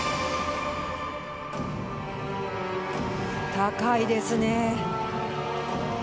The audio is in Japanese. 高いですね。